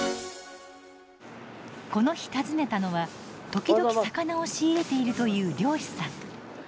この日訪ねたのは時々魚を仕入れているという漁師さん。